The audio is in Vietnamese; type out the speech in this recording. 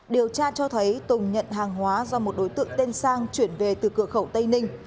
điều tra cho thấy tùng nhận hàng hóa do một đối tượng tên sang chuyển về từ cửa khẩu tây ninh